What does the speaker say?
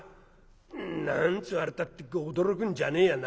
何て言われたって驚くんじゃねえや。